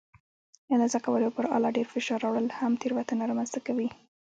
د اندازه کولو پر آله ډېر فشار راوړل هم تېروتنه رامنځته کوي.